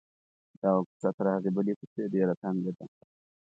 دغه کوڅه تر هغې بلې کوڅې ډېره تنګه ده.